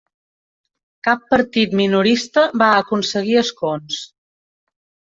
Cap partit minorista va aconseguir escons.